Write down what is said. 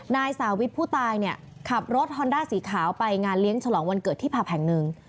นายสาวิทผู้ตายเนี่ยขับรถฮอนด้าสีขาวไปงานเลี้ยงฉลองวันเกิดที่ผับแห่งหนึ่ง